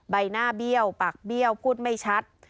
ใบหน้าเบี้ยวปากเบี้ยวพูดไม่ชัด